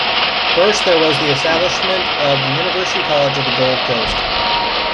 First there was the establishment of the University College of the Gold Coast.